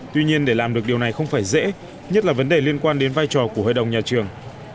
tuy nhiên để làm được điều này không phải dễ nhất là vấn đề liên quan đến vai trò của hội đồng nhà trường